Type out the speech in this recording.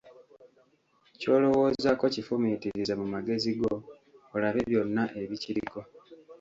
Ky'olowoozaako, kifumiitirize mu magezi go, olabe byonna ebikiriko.